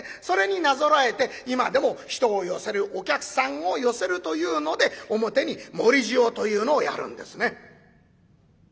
それになぞらえて今でも人を寄せるお客さんを寄せるというので表に盛り塩というのをやるんですね。